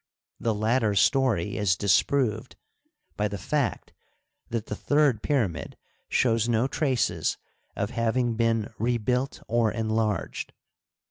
The latter story is disproved by the fact that the third pyramid shows no traces of having been rebuilt or enlarged.